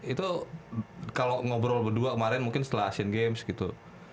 itu kalau ngobrol berdua kemarin mungkin setelah asian games gitu